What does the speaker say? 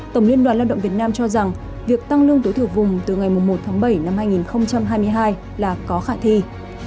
tổng liên đoàn lao động việt nam cho rằng việc tăng lương tối thủ vùng từ ngày một tháng bảy năm hai nghìn hai mươi hai là có khả thi